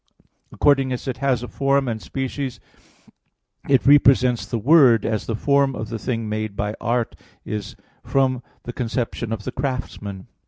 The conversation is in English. According as it has a form and species, it represents the Word as the form of the thing made by art is from the conception of the craftsman.